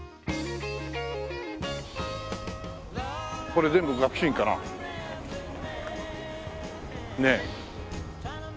これ全部学習院かな？ねえ。